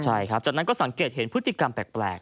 ใช่ครับจากนั้นก็สังเกตเห็นพฤติกรรมแปลก